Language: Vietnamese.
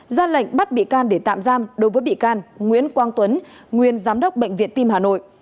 ra lệnh bắt bị can để tạm giam đối với bị can nguyễn quang tuấn nguyên giám đốc bệnh viện tim hà nội